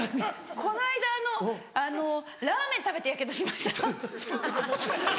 この間あのラーメン食べてやけどしました。